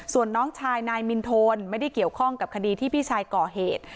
ส่วนน้องชายนายมินโทนไม่ได้เกี่ยวข้องกับคดีที่พี่ชายก่อเหตุ